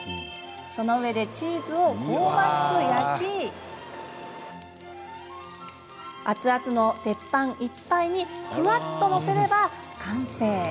その上で、チーズを香ばしく焼き熱々の鉄板いっぱいにふわっと載せれば完成。